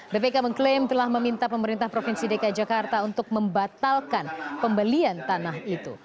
bpk mengklaim telah meminta pemerintah provinsi dki jakarta untuk membatalkan pembelian tanah itu